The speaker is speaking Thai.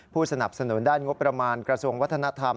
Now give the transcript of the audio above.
สนับสนุนด้านงบประมาณกระทรวงวัฒนธรรม